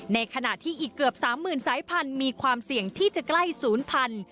ในขณะที่อีกเกือบ๓๐๐๐สายพันธุ์มีความเสี่ยงที่จะใกล้ศูนย์พันธุ